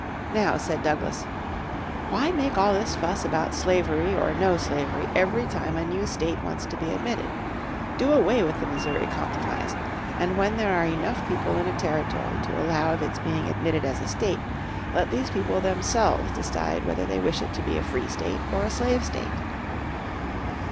Now said Douglas, "why make all this fuss about slavery or no slavery every time a new state wants to be admitted? Do away with this Missouri Compromise, and when there are enough people in a territory to allow of its being admitted as a state, let these people themselves decide whether they wish it to be a free state or a slave state."